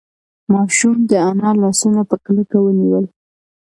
ماشوم د انا لاسونه په کلکه ونیول.